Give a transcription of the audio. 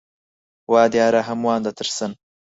وا دیارە هەمووان دەترسن.